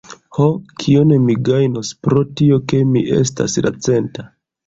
Ho, kion mi gajnos pro tio, ke mi estas la centa?